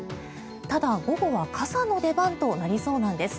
ただ、午後は傘の出番となりそうなんです。